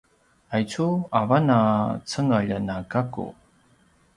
aicu avan a cengelj na gaku?